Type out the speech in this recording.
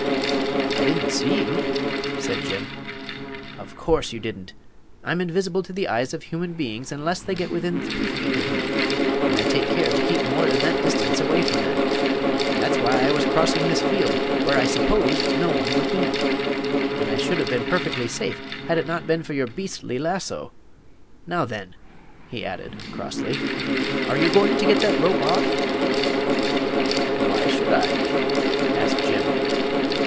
"I didn't see you," said Jim. "Of course you didn't. I'm invisible to the eyes of human beings unless they get within three feet of me, and I take care to keep more than that distance away from them. That's why I was crossing this field, where I supposed no one would be. And I should have been perfectly safe had it not been for your beastly lasso. Now, then," he added, crossly, "are you going to get that rope off?" "Why should I?" asked Jim.